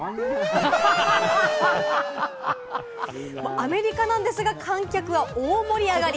アメリカなんですが、観客は大盛り上がり！